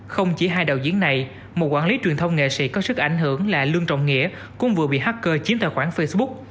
không chỉ hai đạo diễn này một quản lý truyền thông nghệ sĩ có sức ảnh hưởng là lương trọng nghĩa cũng vừa bị hacker chiếm tài khoản facebook